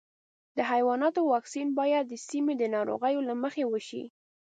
د حیواناتو واکسین باید د سیمې د ناروغیو له مخې وشي.